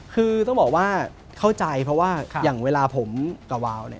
คือต้องบอกว่าเข้าใจเพราะว่าอย่างเวลาผมกับวาวเนี่ย